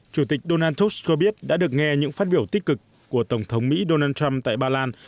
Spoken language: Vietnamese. chủ tịch donald trump cho biết đã được nghe những phát biểu tích cực của tổng thống mỹ donald trump tại ba lan